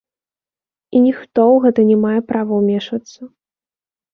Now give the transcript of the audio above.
І ніхто ў гэта не мае права ўмешвацца.